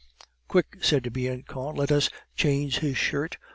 "Quick," said Bianchon, "let us change his shirt.